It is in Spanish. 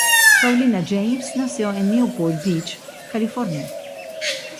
Paulina James nació en Newport Beach, California.